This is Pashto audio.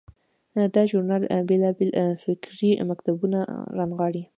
دا ژورنال بیلابیل فکري مکتبونه رانغاړي.